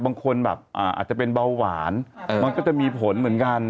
บางคนแบบอาจจะเป็นเบาหวานมันก็จะมีผลเหมือนกัน